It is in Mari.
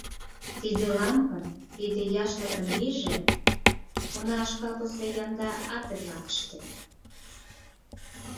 Тиде лампын, тиде яшлыкын вийже — уна, шкапысе янда ате-влакыште.